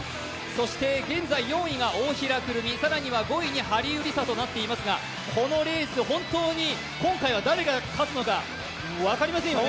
現在４位が大平くるみ、更には５位にハリウリサとなっていますが、このレース、本当に今回は誰が勝つのか分かりませんよね。